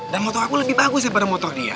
dan motor aku lebih bagus ya pada motor dia